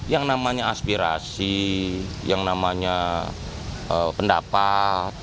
yang namanya aspirasi yang namanya pendapat